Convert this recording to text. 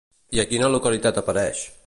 I a quina localitat apareix?